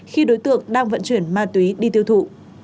khi đối tượng đang vận chuyển ma túy đi tiêu thụ